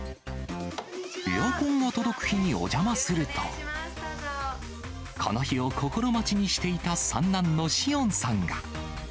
エアコンが届く日にお邪魔すると、この日を心待ちにしていた、三男の至恩さんが。